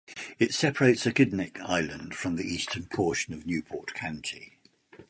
It separates Aquidneck Island from the eastern portion of Newport County.